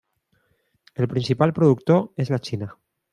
El principal productor és la Xina.